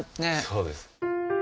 そうです